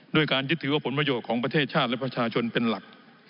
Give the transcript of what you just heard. ด้วยการยึดถือว่าผลประโยชน์ของประเทศชาติและประชาชนเป็นหลัก